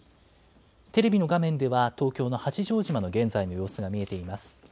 テレビの画面では、東京の八丈島の現在の様子が見えています。